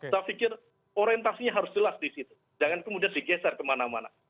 saya pikir orientasinya harus jelas di situ jangan kemudian digeser kemana mana